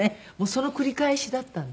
その繰り返しだったんで。